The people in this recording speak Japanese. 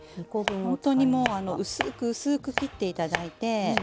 ほんとにもう薄く薄く切っていただいて。